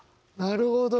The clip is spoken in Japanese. なるほど！